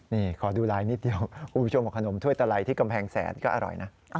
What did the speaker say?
นี่ขอดูไลน์นิดเดียวคุณผู้ชมบอกขนมถ้วยตะไลที่กำแพงแสนก็อร่อยนะ